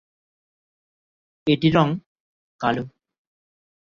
এটির রঙ কালো।